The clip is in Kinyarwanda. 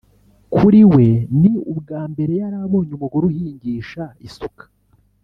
kuri we ni ubwa mbere yari abonye umugore uhingisha isuka